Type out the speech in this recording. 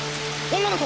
女の子！？